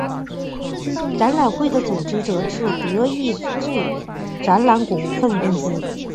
展览会的组织者是德意志展览股份公司。